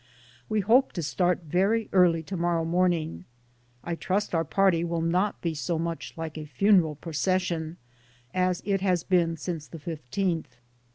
We hope to start very early to morrow morning. I trust our party will not be so much like a funeral procession as it has been since the 15th.